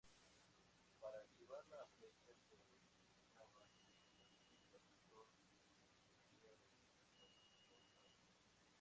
Para activar la flecha se utilizaba un interruptor que se servía de un electroimán.